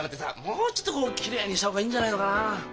もうちょっとこうきれいにした方がいいんじゃないのかな。